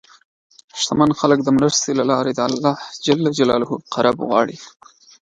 شتمن خلک د مرستې له لارې د الله قرب غواړي.